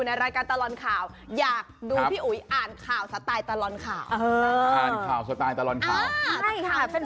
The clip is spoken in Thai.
เอาอย่างนี้ละกัน